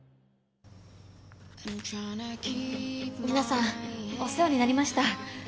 皆さんお世話になりました。